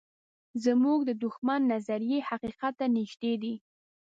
زموږ د دښمن نظریې حقیقت ته نږدې دي.